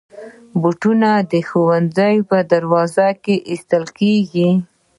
بوټونه د ښوونځي دروازې کې ایستل کېږي.